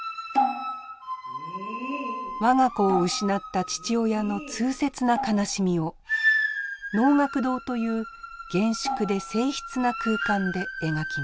我が子を失った父親の痛切な悲しみを能楽堂という厳粛で静ひつな空間で描きます。